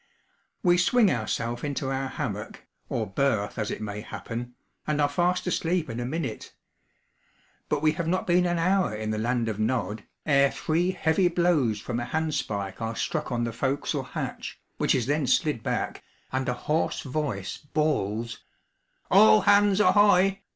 We swing ourself into our hammock (or berth, as it may happen), and are fast asleep in a minute. But we have not been an hour in the Land of Nod, ere three heavy blows from a handspike are struck on the forecastle hatch, which is then slid back, and a hoarse voice bawls: 'All ha ands a ho oy!